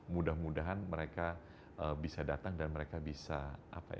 mudah mudahan mereka bisa datang dan mereka bisa melihatnya